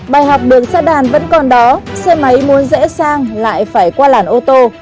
bài học được xe đàn vẫn còn đó xe máy muốn dễ sang lại phải qua làn ô tô